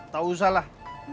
tak usah lah